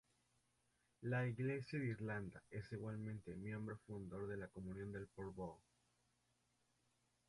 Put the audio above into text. La Iglesia de Irlanda es igualmente miembro fundador de la Comunión de Porvoo.